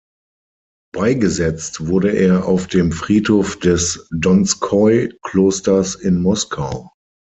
Beigesetzt wurde er auf dem Friedhof des Donskoi-Klosters in Moskau.